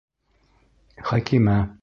Хәкимә.